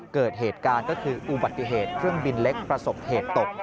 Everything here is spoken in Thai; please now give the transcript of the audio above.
เกิดเหตุการณ์ก็คืออุบัติเหตุเครื่องบินเล็กประสบเหตุตก